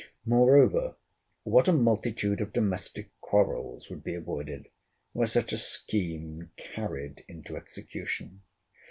Moreover, what a multitude of domestic quarrels would be avoided, where such a scheme carried into execution?